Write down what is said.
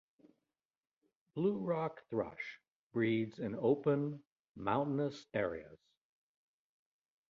Blue rock thrush breeds in open mountainous areas.